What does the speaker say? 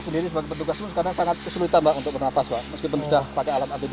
sendiri sebagai petugas sekarang sangat kesulitan untuk bernafas meskipun sudah pakai alat api